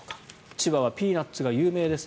千葉はピーナツが有名です。